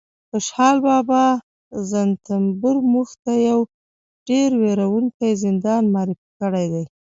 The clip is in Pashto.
خوشحال بابا رنتنبور موږ ته یو ډېر وېروونکی زندان معرفي کړی دی